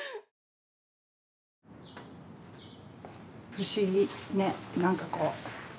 不思議ねなんかこう。